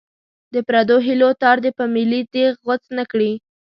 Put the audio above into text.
د پردو هیلو تار دې په ملي تېغ غوڅ نه کړي.